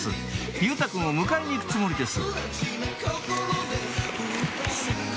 佑太くんを迎えに行くつもりです